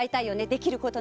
できることなら。